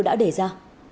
đã đề ra